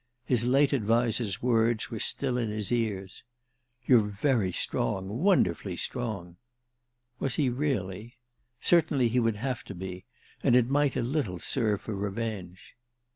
His late adviser's words were still in his ears—"You're very strong, wonderfully strong." Was he really? Certainly he would have to be, and it might a little serve for revenge.